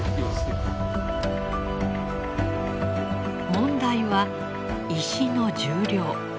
問題は石の重量。